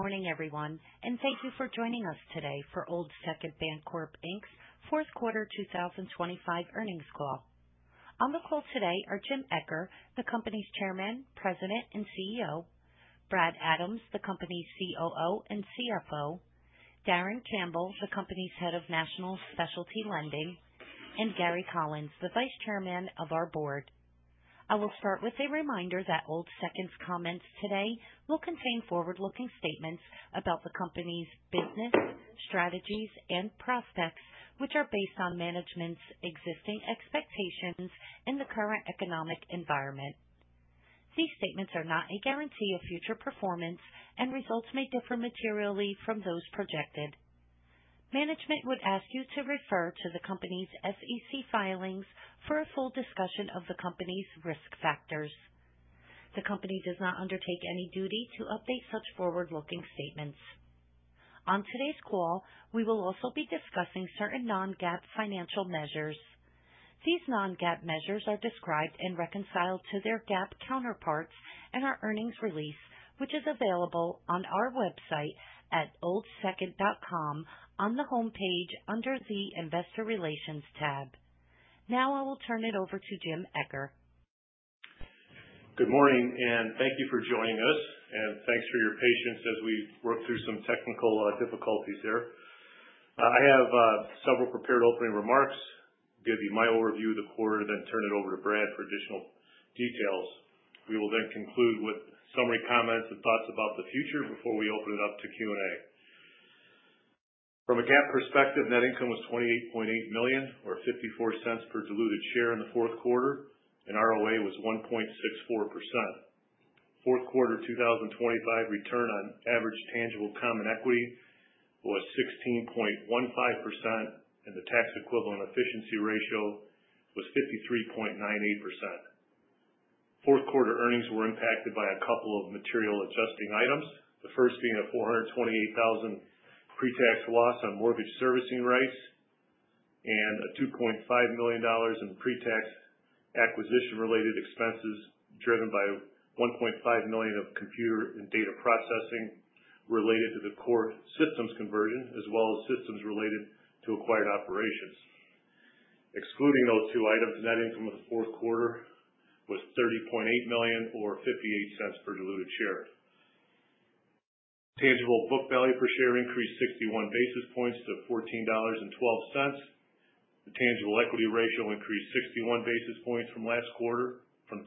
Good morning, everyone, and thank you for joining us today for Old Second Bancorp Inc's Fourth Quarter 2025 Earnings Call. On the call today are Jim Eccher, the company's Chairman, President, and CEO. Brad Adams, the company's COO and CFO. Darin Campbell, the company's head of National Specialty Lending. And Gary Collins, the Vice Chairman of our Board. I will start with a reminder that Old Second's comments today will contain forward-looking statements about the company's business, strategies, and prospects, which are based on management's existing expectations and the current economic environment. These statements are not a guarantee of future performance, and results may differ materially from those projected. Management would ask you to refer to the company's SEC filings for a full discussion of the company's risk factors. The company does not undertake any duty to update such forward-looking statements. On today's call, we will also be discussing certain non-GAAP financial measures. These non-GAAP measures are described and reconciled to their GAAP counterparts in our earnings release, which is available on our website at oldsecond.com on the homepage under the Investor Relations tab. Now I will turn it over to Jim Eccher. Good morning, and thank you for joining us, and thanks for your patience as we worked through some technical difficulties here. I have several prepared opening remarks. I'll give you my overview of the quarter, then turn it over to Brad for additional details. We will then conclude with summary comments and thoughts about the future before we open it up to Q&A. From a GAAP perspective, net income was $28.8 million, or $0.54 per diluted share in the fourth quarter, and ROA was 1.64%. Fourth quarter 2025 return on average tangible common equity was 16.15%, and the tax equivalent efficiency ratio was 53.98%. Fourth quarter earnings were impacted by a couple of material adjusting items, the first being a $428,000 pre-tax loss on mortgage servicing rights and a $2.5 million in pre-tax acquisition-related expenses driven by $1.5 million of computer and data processing related to the core systems conversion, as well as systems related to acquired operations. Excluding those two items, net income in the fourth quarter was $30.8 million, or $0.58 per diluted share. Tangible book value per share increased 61 basis points to $14.12. The tangible equity ratio increased 61 basis points from last quarter, from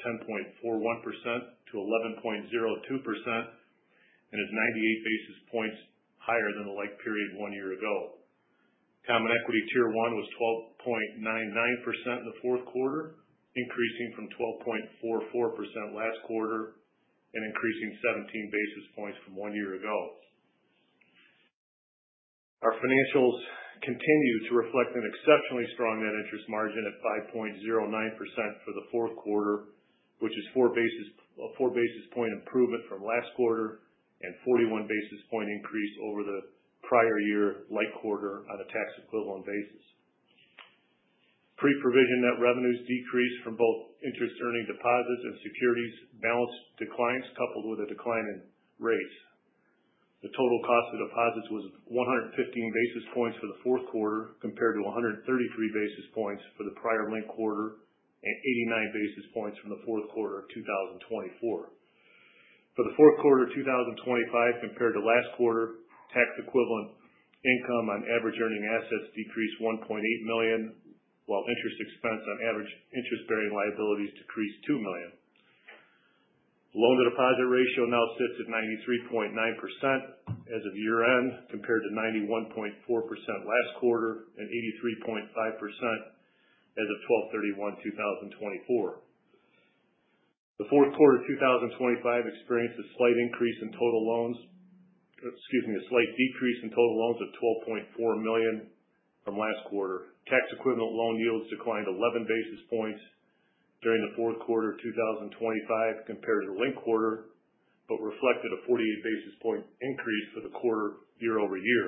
10.41%-11.02%, and is 98 basis points higher than the like period one year ago. Common Equity Tier 1 was 12.99% in the fourth quarter, increasing from 12.44% last quarter and increasing 17 basis points from one year ago. Our financials continue to reflect an exceptionally strong net interest margin at 5.09% for the fourth quarter, which is a four basis points improvement from last quarter and 41 basis points increase over the prior year-ago quarter on a tax equivalent basis. Pre-provision net revenues decreased from both interest-earning deposits and securities balance declines, coupled with a decline in rates. The total cost of deposits was 115 basis points for the fourth quarter, compared to 133 basis points for the prior linked quarter and 89 basis points from the fourth quarter of 2024. For the fourth quarter of 2025, compared to last quarter, tax equivalent income on average earning assets decreased $1.8 million, while interest expense on average interest-bearing liabilities decreased $2 million. Loan-to-deposit ratio now sits at 93.9% as of year-end, compared to 91.4% last quarter and 83.5% as of 12/31/2024. The fourth quarter of 2025 experienced a slight decrease in total loans of $12.4 million from last quarter. Tax equivalent loan yields declined 11 basis points during the fourth quarter of 2025 compared to the linked quarter, but reflected a 48 basis point increase for the quarter year-over-year.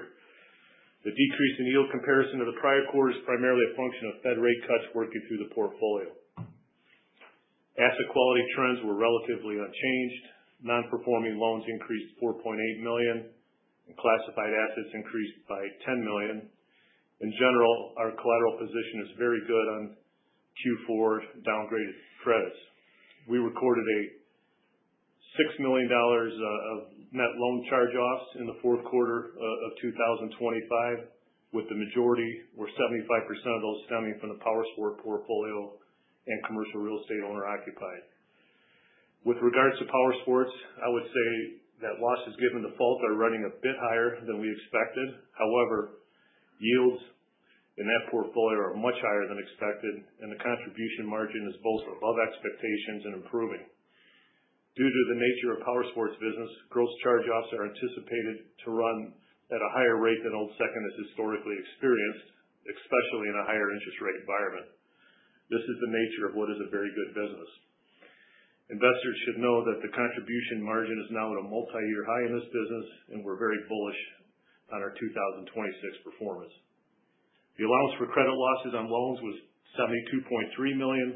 The decrease in yield comparison to the prior quarter is primarily a function of Fed rate cuts working through the portfolio. Asset quality trends were relatively unchanged. Non-performing loans increased $4.8 million, and classified assets increased by $10 million. In general, our collateral position is very good on Q4 downgraded credits. We recorded a $6 million of net loan charge-offs in the fourth quarter of 2025, with the majority, or 75% of those, stemming from the Powersports portfolio and commercial real estate owner-occupied. With regards to Powersports, I would say that losses given default are running a bit higher than we expected. However, yields in that portfolio are much higher than expected, and the contribution margin is both above expectations and improving. Due to the nature of Powersports business, gross charge-offs are anticipated to run at a higher rate than Old Second has historically experienced, especially in a higher interest rate environment. This is the nature of what is a very good business. Investors should know that the contribution margin is now at a multi-year high in this business, and we're very bullish on our 2026 performance. The allowance for credit losses on loans was $72.3 million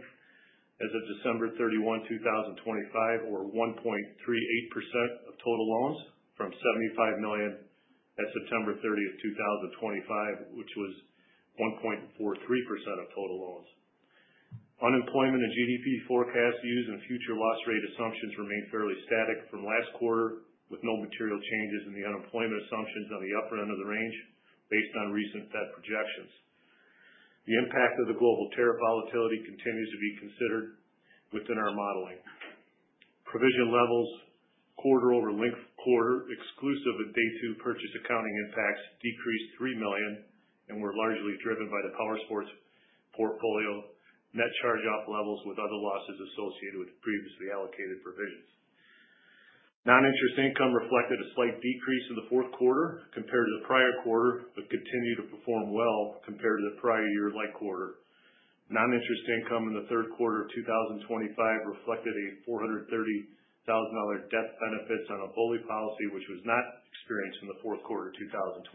as of December 31, 2025, or 1.38% of total loans, from $75 million at September 30, 2025, which was 1.43% of total loans. Unemployment and GDP forecast views and future loss rate assumptions remain fairly static from last quarter, with no material changes in the unemployment assumptions on the upper end of the range based on recent Fed projections. The impact of the global tariff volatility continues to be considered within our modeling. Provision levels, quarter-over-quarter, exclusive of day-two purchase accounting impacts, decreased $3 million and were largely driven by the Powersports portfolio net charge-off levels with other losses associated with previously allocated provisions. Non-interest income reflected a slight decrease in the fourth quarter compared to the prior quarter, but continued to perform well compared to the prior year-ago quarter. Non-interest income in the third quarter of 2025 reflected a $430,000 death benefits on a BOLI policy, which was not experienced in the fourth quarter of 2025.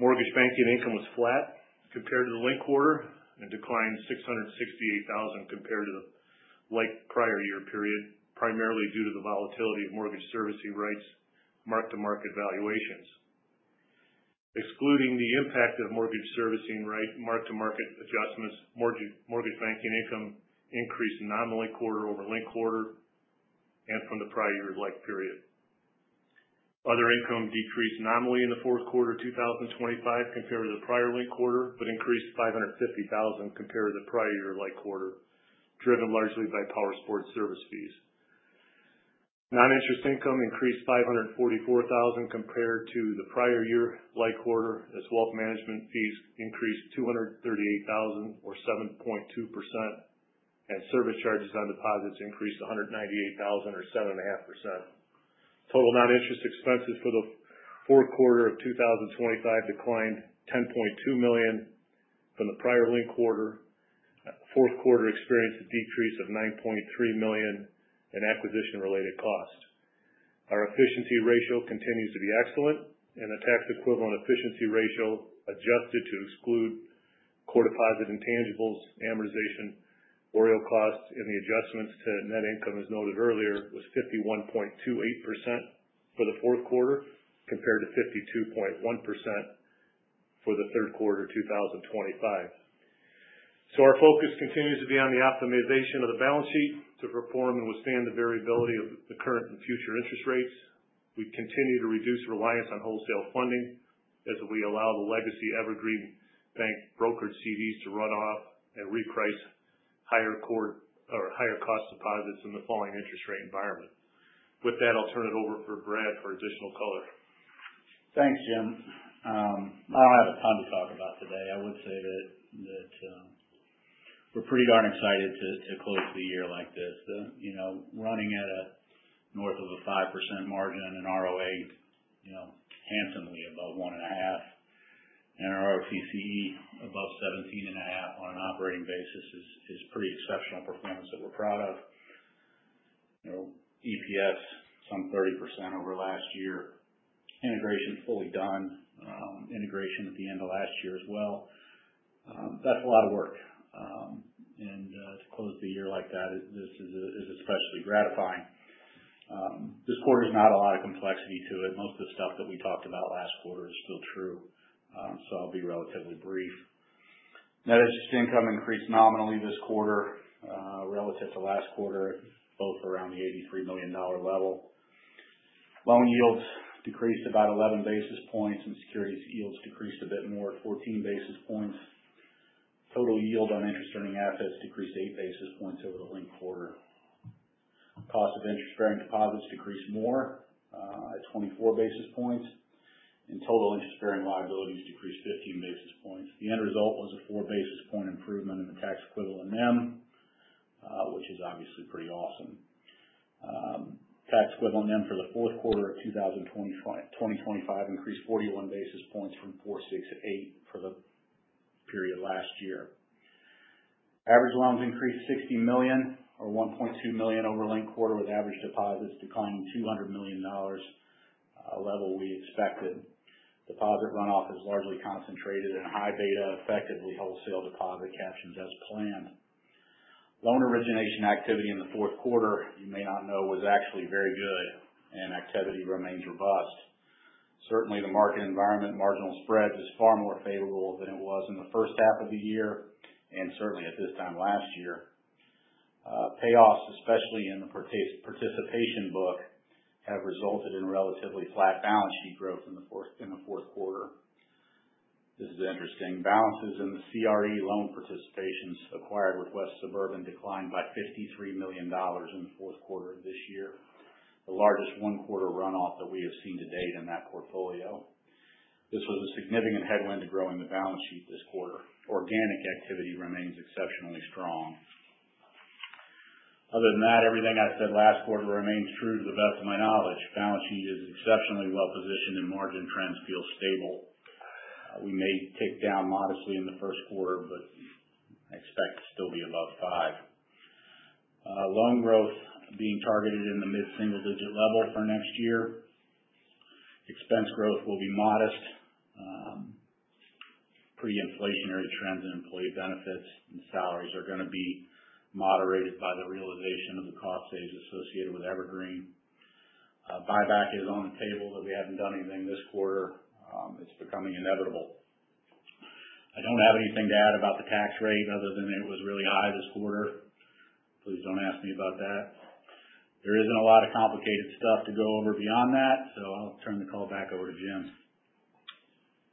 Mortgage banking income was flat compared to the linked quarter and declined $668,000 compared to the prior-year period, primarily due to the volatility of mortgage servicing rights marked-to-market valuations. Excluding the impact of mortgage servicing right marked-to-market adjustments, mortgage banking income increased nominally quarter-over-linked quarter and from the prior-year period. Other income decreased nominally in the fourth quarter of 2025 compared to the prior linked quarter, but increased $550,000 compared to the prior-year quarter, driven largely by Powersports service fees. Non-interest income increased $544,000 compared to the prior-year quarter, as wealth management fees increased $238,000, or 7.2%, and service charges on deposits increased $198,000, or 7.5%. Total non-interest expenses for the fourth quarter of 2025 declined $10.2 million from the prior linked quarter. Fourth quarter experienced a decrease of $9.3 million in acquisition-related cost. Our efficiency ratio continues to be excellent, and the tax equivalent efficiency ratio adjusted to exclude core deposit intangibles, amortization, OREO costs, and the adjustments to net income as noted earlier was 51.28% for the fourth quarter compared to 52.1% for the third quarter of 2025. So our focus continues to be on the optimization of the balance sheet to perform and withstand the variability of the current and future interest rates. We continue to reduce reliance on wholesale funding as we allow the legacy Evergreen Bank brokered CDs to run off and reprice higher cost deposits in the falling interest rate environment. With that, I'll turn it over for Brad for additional color. Thanks, Jim. I don't have a ton to talk about today. I would say that we're pretty darn excited to close the year like this. Running at a north of a 5% margin and ROA handsomely above 1.5 and our ROTCE above 17.5 on an operating basis is pretty exceptional performance that we're proud of. EPS some 30% over last year. Integration fully done. Integration at the end of last year as well. That's a lot of work, and to close the year like that, this is especially gratifying. This quarter's not a lot of complexity to it. Most of the stuff that we talked about last quarter is still true, so I'll be relatively brief. Net interest income increased nominally this quarter relative to last quarter, both around the $83 million level. Loan yields decreased about 11 basis points and securities yields decreased a bit more, 14 basis points. Total yield on interest earning assets decreased 8 basis points over the linked quarter. Cost of interest-bearing deposits decreased more at 24 basis points and total interest-bearing liabilities decreased 15 basis points. The end result was a 4 basis point improvement in the tax equivalent NIM, which is obviously pretty awesome. Tax equivalent NIM for the fourth quarter of 2025 increased 41 basis points from 468 for the period last year. Average loans increased $60 million, or 1.2 percent over the linked quarter, with average deposits declining to the $200 million level we expected. Deposit runoff is largely concentrated in high beta effectively wholesale deposit captions as planned. Loan origination activity in the fourth quarter, you may not know, was actually very good and activity remains robust. Certainly, the market environment, marginal spreads is far more favorable than it was in the first half of the year and certainly at this time last year. Payoffs, especially in the participation book, have resulted in relatively flat balance sheet growth in the fourth quarter. This is interesting. Balances in the CRE loan participations acquired with West Suburban declined by $53 million in the fourth quarter of this year, the largest one-quarter runoff that we have seen to date in that portfolio. This was a significant headwind to growing the balance sheet this quarter. Organic activity remains exceptionally strong. Other than that, everything I said last quarter remains true to the best of my knowledge. Balance sheet is exceptionally well positioned and margin trends feel stable. We may tick down modestly in the first quarter, but I expect to still be above five. Loan growth being targeted in the mid-single digit level for next year. Expense growth will be modest. Pre-inflationary trends in employee benefits and salaries are going to be moderated by the realization of the cost savings associated with Evergreen. Buyback is on the table, but we haven't done anything this quarter. It's becoming inevitable. I don't have anything to add about the tax rate other than it was really high this quarter. Please don't ask me about that. There isn't a lot of complicated stuff to go over beyond that, so I'll turn the call back over to Jim.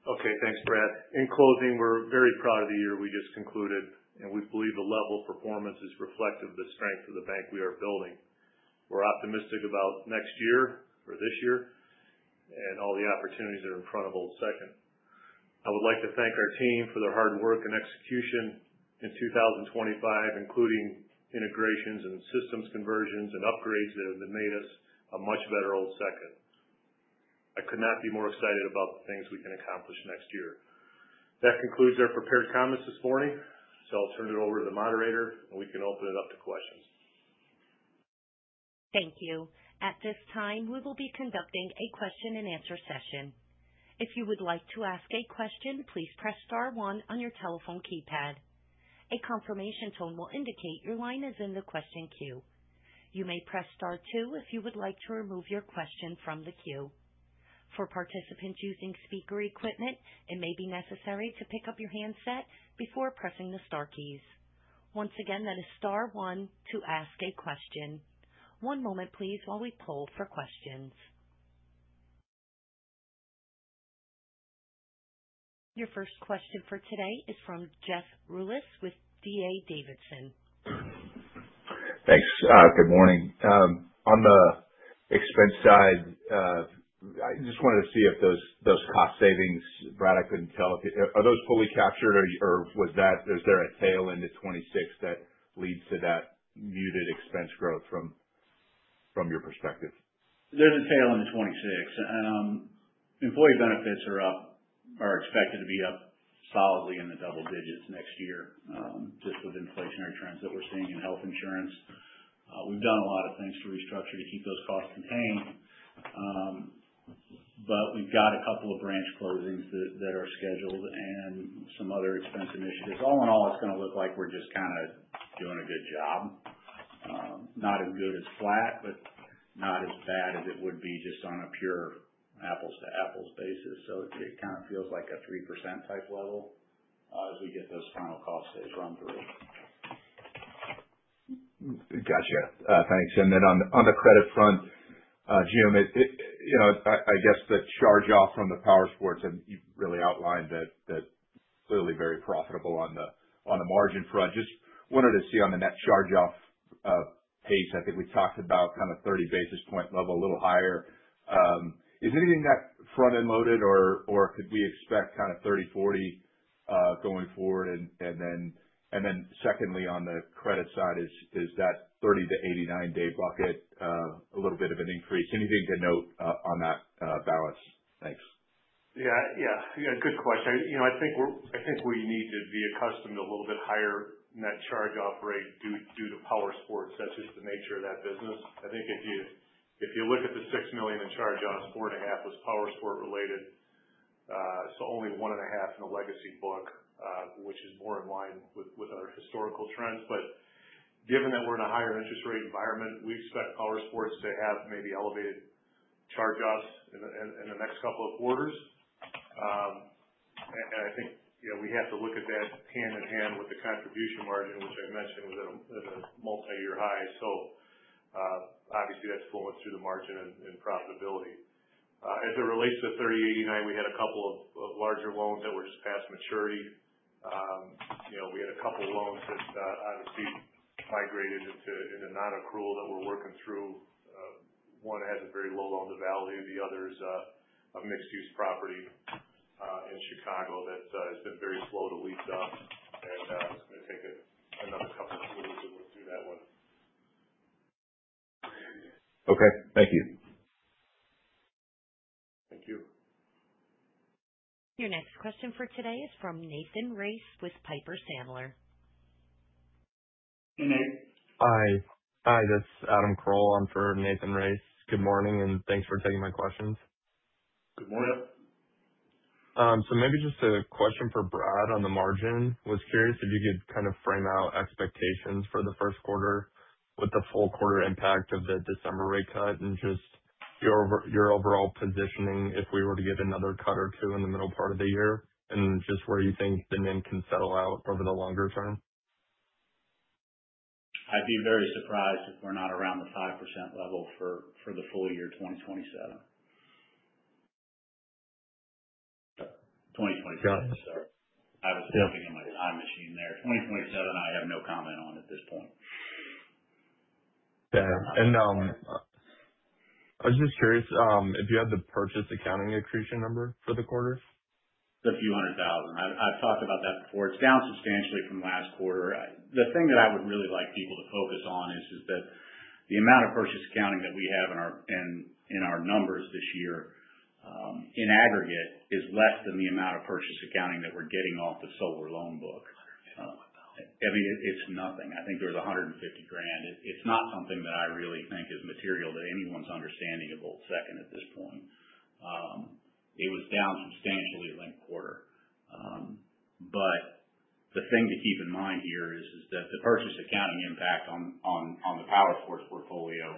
Okay, thanks, Brad. In closing, we're very proud of the year we just concluded, and we believe the level of performance is reflective of the strength of the bank we are building. We're optimistic about next year or this year and all the opportunities that are in front of Old Second. I would like to thank our team for their hard work and execution in 2025, including integrations and systems conversions and upgrades that have made us a much better Old Second. I could not be more excited about the things we can accomplish next year. That concludes our prepared comments this morning, so I'll turn it over to the moderator and we can open it up to questions. Thank you. At this time, we will be conducting a question-and-answer session. If you would like to ask a question, please press star one on your telephone keypad. A confirmation tone will indicate your line is in the question queue. You may press star two if you would like to remove your question from the queue. For participants using speaker equipment, it may be necessary to pick up your handset before pressing the star keys. Once again, that is star one to ask a question. One moment, please, while we pull for questions. Your first question for today is from Jeff Rulis with D.A. Davidson. Thanks. Good morning. On the expense side, I just wanted to see if those cost savings, Brad, I couldn't tell. Are those fully captured or is there a tail end at 2026 that leads to that muted expense growth from your perspective? There's a tail end at 26. Employee benefits are expected to be up solidly in the double digits next year just with inflationary trends that we're seeing in health insurance. We've done a lot of things to restructure to keep those costs contained, but we've got a couple of branch closings that are scheduled and some other expense initiatives. All in all, it's going to look like we're just kind of doing a good job. Not as good as flat, but not as bad as it would be just on a pure apples-to-apples basis. So it kind of feels like a 3% type level as we get those final cost saves run through. Gotcha. Thanks. And then on the credit front, Jim, I guess the charge-off from the Powersports, and you really outlined that clearly very profitable on the margin front. Just wanted to see on the net charge-off pace. I think we talked about kind of 30 basis point level, a little higher. Is anything that front-end loaded or could we expect kind of 30-40 going forward? And then secondly, on the credit side, is that 30 to 89-day bucket a little bit of an increase? Anything to note on that balance? Thanks. Yeah, yeah. Yeah, good question. I think we need to be accustomed to a little bit higher net charge-off rate due to Powersports. That's just the nature of that business. I think if you look at the $6 million in charge-off, $4.5 million was Powersports related, so only $1.5 million in the legacy book, which is more in line with our historical trends. But given that we're in a higher interest rate environment, we expect Powersports to have maybe elevated charge-offs in the next couple of quarters. And I think we have to look at that hand in hand with the contribution margin, which I mentioned was at a multi-year high. So obviously, that's flowing through the margin and profitability. As it relates to 30-89, we had a couple of larger loans that were just past maturity. We had a couple of loans that obviously migrated into non-accrual that we're working through. One has a very low loan to value. The other is a mixed-use property in Chicago that has been very slow to lease up, and it's going to take another couple of quarters to work through that one. Okay. Thank you. Thank you. Your next question for today is from Nathan Race with Piper Sandler. Hey, Nate. Hi. Hi, this is Adam Kroll. I'm for Nathan Race. Good morning, and thanks for taking my questions. Good morning. So, maybe just a question for Brad on the margin. I was curious if you could kind of frame out expectations for the first quarter with the full quarter impact of the December rate cut and just your overall positioning if we were to get another cut or two in the middle part of the year and just where you think the NEM can settle out over the longer term? I'd be very surprised if we're not around the 5% level for the full year 2027. 2027, sorry. I was typing in my time machine there. 2027, I have no comment on at this point. Yeah. And I was just curious if you had the purchase accounting accretion number for the quarter? The few hundred thousand. I've talked about that before. It's down substantially from last quarter. The thing that I would really like people to focus on is that the amount of purchase accounting that we have in our numbers this year in aggregate is less than the amount of purchase accounting that we're getting off the solar loan book. I mean, it's nothing. I think there was $150,000. It's not something that I really think is material to anyone's understanding of Old Second at this point. It was down substantially last quarter. But the thing to keep in mind here is that the purchase accounting impact on the Powersports portfolio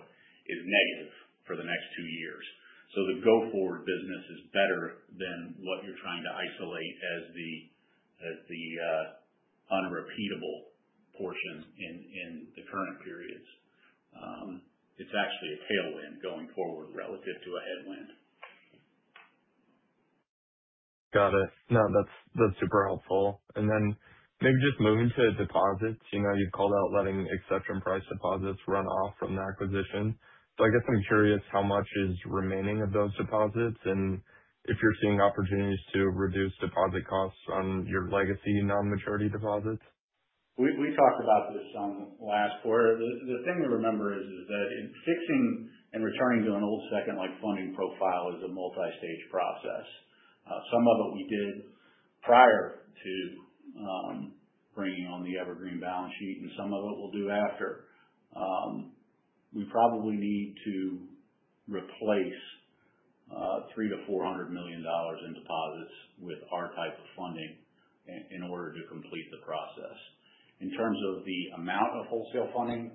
is negative for the next two years. So the go-forward business is better than what you're trying to isolate as the unrepeatable portion in the current periods. It's actually a tailwind going forward relative to a headwind. Got it. No, that's super helpful. And then maybe just moving to deposits. You've called out letting exception-priced deposits run off from the acquisition. So I guess I'm curious how much is remaining of those deposits and if you're seeing opportunities to reduce deposit costs on your legacy non-maturity deposits? We talked about this last quarter. The thing to remember is that fixing and returning to an Old Second funding profile is a multi-stage process. Some of it we did prior to bringing on the Evergreen balance sheet and some of it we'll do after. We probably need to replace $300 million-$400 million in deposits with our type of funding in order to complete the process. In terms of the amount of wholesale funding,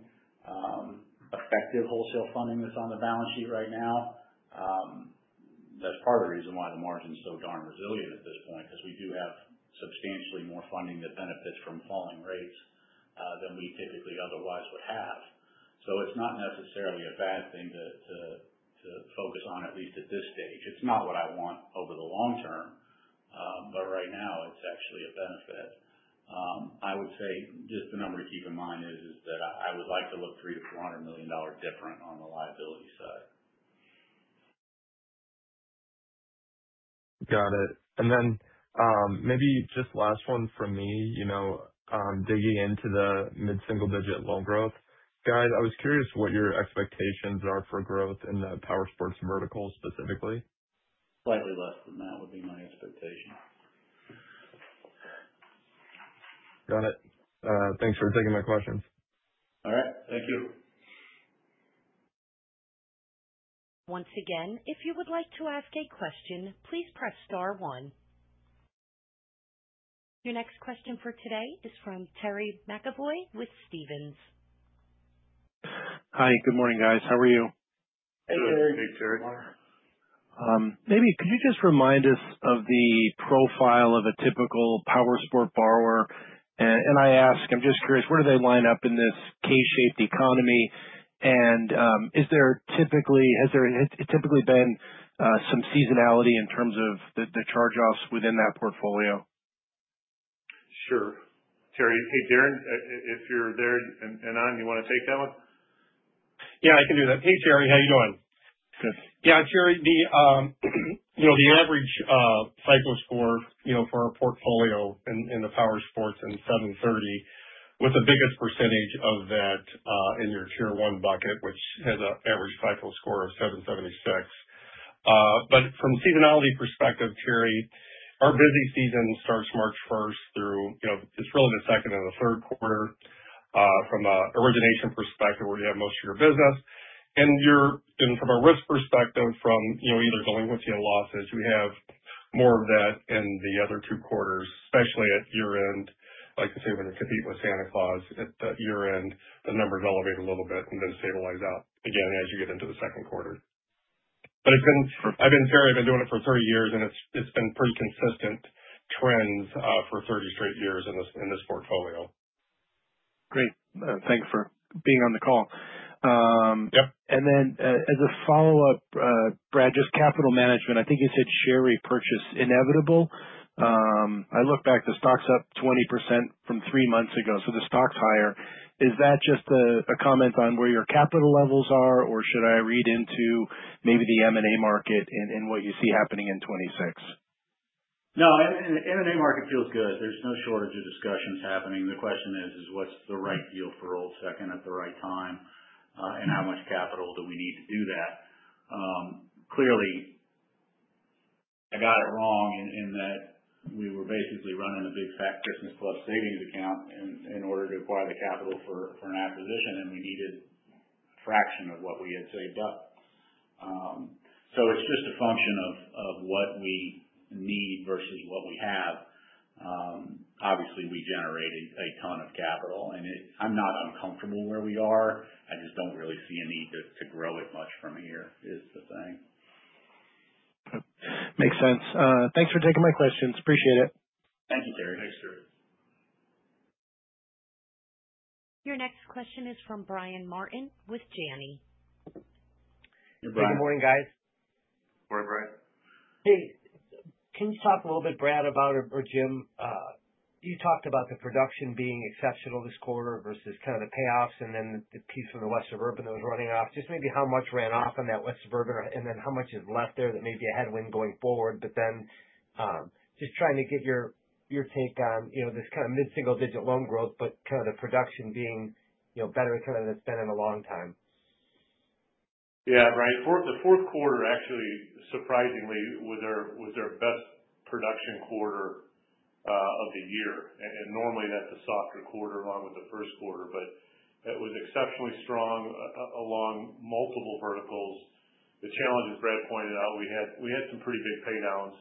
effective wholesale funding that's on the balance sheet right now, that's part of the reason why the margin is so darn resilient at this point because we do have substantially more funding that benefits from falling rates than we typically otherwise would have. So it's not necessarily a bad thing to focus on, at least at this stage. It's not what I want over the long term, but right now it's actually a benefit. I would say just the number to keep in mind is that I would like to look $300 million-$400 million different on the liability side. Got it. And then maybe just last one from me, digging into the mid-single digit loan growth. Guys, I was curious what your expectations are for growth in the Powersports vertical specifically. Slightly less than that would be my expectation. Got it. Thanks for taking my questions. All right. Thank you. Once again, if you would like to ask a question, please press star one. Your next question for today is from Terry McEvoy with Stephens. Hi. Good morning, guys. How are you? Hey, Terry. Hey, Terry. Maybe could you just remind us of the profile of a typical Powersports borrower? And I ask, I'm just curious, where do they line up in this K-shaped economy? And has there typically been some seasonality in terms of the charge-offs within that portfolio? Sure. Terry, hey, Darren, if you're there and on, you want to take that one? Yeah, I can do that. Hey, Terry, how are you doing? Good. Yeah, Terry, the average FICO score for our portfolio in the Powersports and 730 with the biggest percentage of that in your tier one bucket, which has an average FICO score of 776. But from seasonality perspective, Terry, our busy season starts March 1st through it's really the second and the third quarter from an origination perspective where you have most of your business. And from a risk perspective, from either delinquency or losses, we have more of that in the other two quarters, especially at year-end. Like I say, when you compete with Santa Claus at year-end, the numbers elevate a little bit and then stabilize out again as you get into the second quarter. But I've been Terry, I've been doing it for 30 years, and it's been pretty consistent trends for 30 straight years in this portfolio. Great. Thanks for being on the call. And then as a follow-up, Brad, just capital management. I think you said share repurchase inevitable. I look back, the stock's up 20% from three months ago, so the stock's higher. Is that just a comment on where your capital levels are, or should I read into maybe the M&A market and what you see happening in 2026? No, the M&A market feels good. There's no shortage of discussions happening. The question is, what's the right deal for Old Second at the right time, and how much capital do we need to do that? Clearly, I got it wrong in that we were basically running a big fat Christmas plus savings account in order to acquire the capital for an acquisition, and we needed a fraction of what we had saved up. So it's just a function of what we need versus what we have. Obviously, we generated a ton of capital, and I'm not uncomfortable where we are. I just don't really see a need to grow it much from here is the thing. Makes sense. Thanks for taking my questions. Appreciate it. Thank you, Terry. Thanks, Terry. Your next question is from Brian Martin with Janney. Hey, Brian. Good morning, guys. Morning, Brad. Hey. Can you talk a little bit, Brad, about or Jim, you talked about the production being exceptional this quarter versus kind of the payoffs and then the piece from the West Suburban that was running off. Just maybe how much ran off on that West Suburban and then how much is left there that maybe a headwind going forward, but then just trying to get your take on this kind of mid-single digit loan growth, but kind of the production being better than it's been in a long time? Yeah, right. The fourth quarter, actually, surprisingly, was their best production quarter of the year, and normally, that's a softer quarter along with the first quarter, but it was exceptionally strong along multiple verticals. The challenges, Brad pointed out, we had some pretty big paydowns.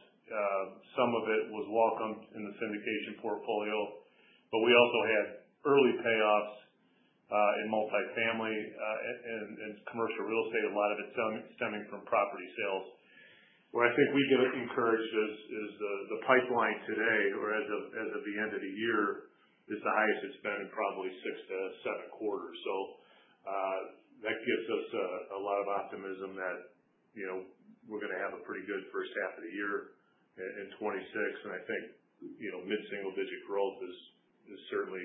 Some of it was welcome in the syndication portfolio, but we also had early payoffs in multifamily and commercial real estate, a lot of it stemming from property sales. Where I think we get encouraged is the pipeline today, or as of the end of the year, is the highest it's been in probably six to seven quarters, so that gives us a lot of optimism that we're going to have a pretty good first half of the year in 2026, and I think mid-single digit growth is certainly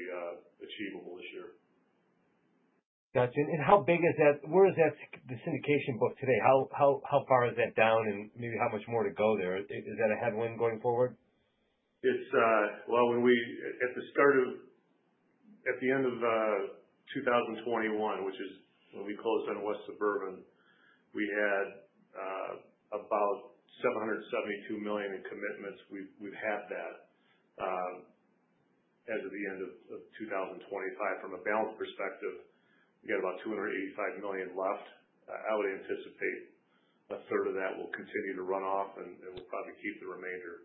achievable this year. Gotcha. And how big is that? Where is that syndication book today? How far is that down and maybe how much more to go there? Is that a headwind going forward? At the end of 2021, which is when we closed on West Suburban, we had about $772 million in commitments. We've had that as of the end of 2025. From a balance perspective, we got about $285 million left. I would anticipate a third of that will continue to run off, and we'll probably keep the remainder.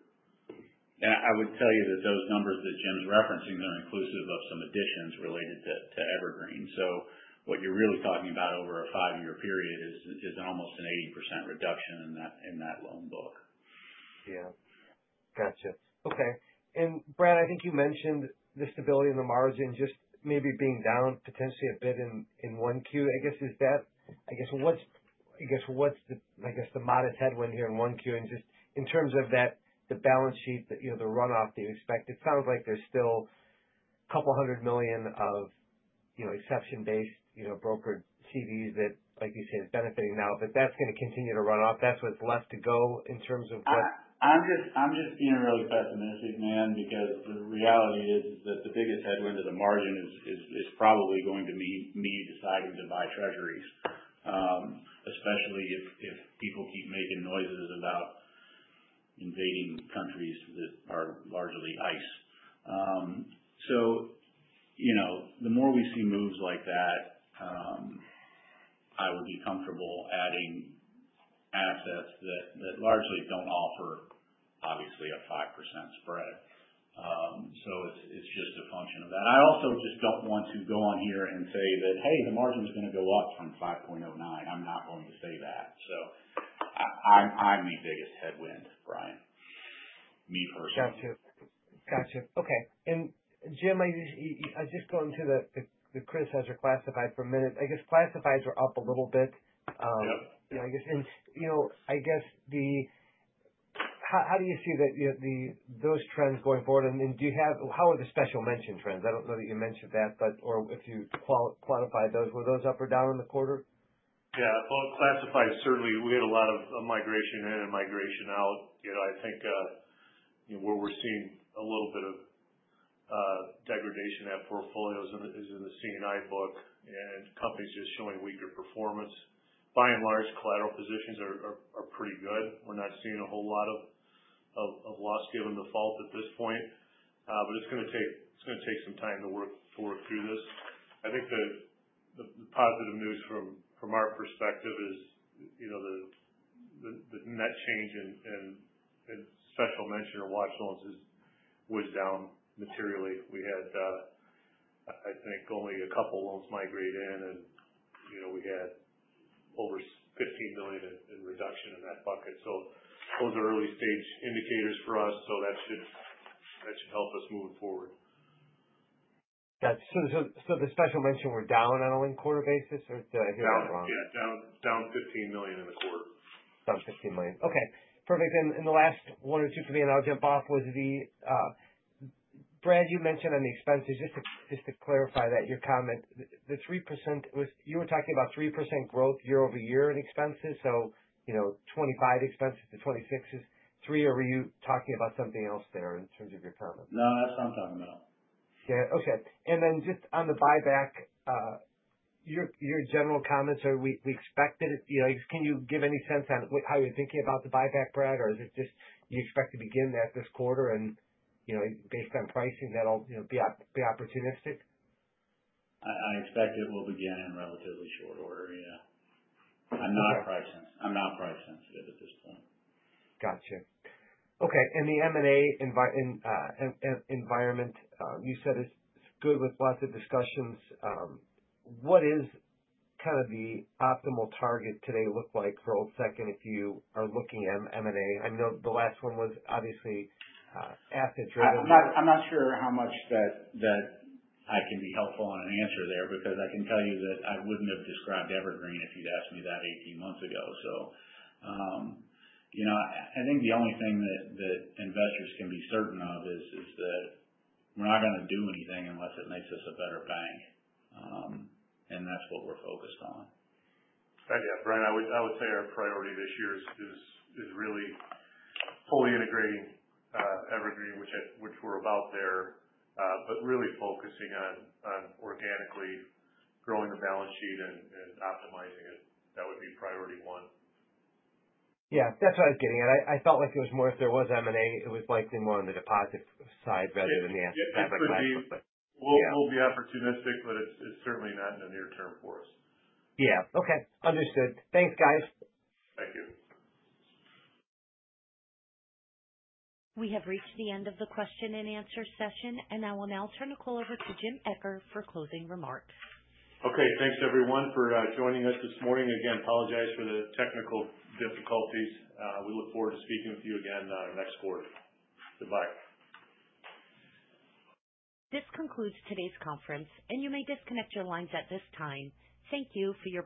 I would tell you that those numbers that Jim's referencing are inclusive of some additions related to Evergreen. What you're really talking about over a five-year period is almost an 80% reduction in that loan book. Yeah. Gotcha. Okay. And Brad, I think you mentioned the stability in the margin just maybe being down potentially a bit in 1Q. I guess what's the modest headwind here in 1Q? And just in terms of the balance sheet, the runoff that you expect, it sounds like there's still $200 million of exception-based brokered CDs that, like you say, is benefiting now, but that's going to continue to run off. That's what's left to go in terms of what? I'm just being really pessimistic, man, because the reality is that the biggest headwind to the margin is probably going to mean me deciding to buy Treasuries, especially if people keep making noises about invading countries that are largely ice. So the more we see moves like that, I would be comfortable adding assets that largely don't offer, obviously, a 5% spread. So it's just a function of that. I also just don't want to go on here and say that, "Hey, the margin is going to go up from 5.09." I'm not going to say that. So I'm the biggest headwind, Brian, me personally. Gotcha. Gotcha. Okay. And Jim, I was just going to the criticized or classified for a minute. I guess classifieds are up a little bit. Yep. I guess, and I guess how do you see those trends going forward? And do you have, how are the special mention trends? I don't know that you mentioned that, but if you quantify those, were those up or down in the quarter? Yeah. Well, classifieds, certainly, we had a lot of migration in and migration out. I think where we're seeing a little bit of degradation at portfolios is in the C&I book, and companies just showing weaker performance. By and large, collateral positions are pretty good. We're not seeing a whole lot of loss given default at this point, but it's going to take some time to work through this. I think the positive news from our perspective is the net change in special mention or watch loans was down materially. We had, I think, only a couple loans migrate in, and we had over $15 million in reduction in that bucket. So those are early-stage indicators for us, so that should help us moving forward. Gotcha. So the special mention, we're down on a linked quarter basis? Or did I hear that wrong? Yeah. Down $15 million in the quarter. Down $15 million. Okay. Perfect. And the last one or two for me, and I'll jump off, was, Brad, you mentioned on the expenses, just to clarify that your comment, the 3%, you were talking about 3% growth year over year in expenses. So 2025 expenses to 2026 is 3%, or were you talking about something else there in terms of your comment? No, that's what I'm talking about. Yeah. Okay. And then just on the buyback, your general comments, or we expect it? Can you give any sense on how you're thinking about the buyback, Brad? Or is it just you expect to begin that this quarter and based on pricing, that'll be opportunistic? I expect it will begin in relatively short order, yeah. I'm not price sensitive at this point. Gotcha. Okay. And the M&A environment, you said it's good with lots of discussions. What is kind of the optimal target today look like for Old Second if you are looking at M&A? I know the last one was obviously asset-driven. I'm not sure how much that I can be helpful on an answer there because I can tell you that I wouldn't have described Evergreen if you'd asked me that 18 months ago. So I think the only thing that investors can be certain of is that we're not going to do anything unless it makes us a better bank, and that's what we're focused on. Yeah. Brad, I would say our priority this year is really fully integrating Evergreen, which we're about there, but really focusing on organically growing the balance sheet and optimizing it. That would be priority one. Yeah. That's what I was getting. And I felt like it was more if there was M&A, it was likely more on the deposit side rather than the asset class. Yeah. We'll be opportunistic, but it's certainly not in the near term for us. Yeah. Okay. Understood. Thanks, guys. Thank you. We have reached the end of the question and answer session, and I will now turn the call over to Jim Eccher for closing remarks. Okay. Thanks, everyone, for joining us this morning. Again, apologize for the technical difficulties. We look forward to speaking with you again next quarter. Goodbye. This concludes today's conference, and you may disconnect your lines at this time. Thank you for your.